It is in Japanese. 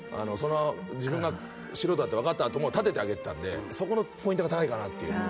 自分が素人だってわかったあとも立ててあげてたのでそこのポイントが高いかなっていう。